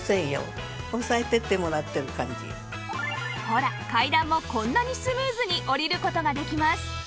ほら階段もこんなにスムーズに下りる事ができます